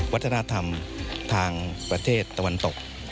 วัฒนธรรมทางประเทศตะวันตก